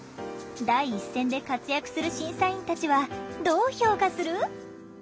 第一線で活躍する審査員たちはどう評価する？